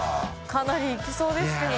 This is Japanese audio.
かなりいきそうですけど。